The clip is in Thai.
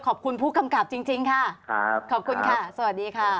ขอบคุณผู้กำกับจริงค่ะครับขอบคุณค่ะสวัสดีค่ะ